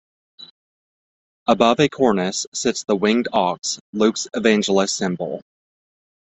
Above a cornice sits the winged ox, Luke's evangelist's symbol.